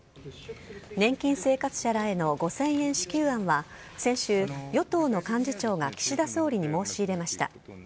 年金生活者らへの５０００円支給案は、先週、与党の幹事長が岸田総理に申し入れました。